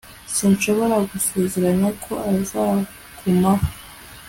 Sinshobora gusezeranya ko azagumaho